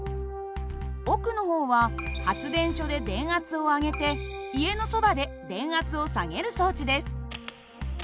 奥の方は発電所で電圧を上げて家のそばで電圧を下げる装置です。